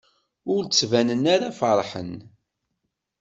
Ur ttbanen ara feṛḥen.